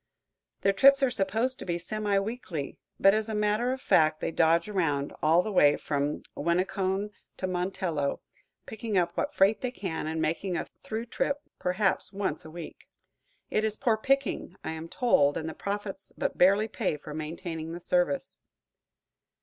Their trips are supposed to be semi weekly, but as a matter of fact they dodge around, all the way from Winneconne to Montello, picking up what freight they can and making a through trip perhaps once a week. It is poor picking, I am told, and the profits but barely pay for maintaining the service.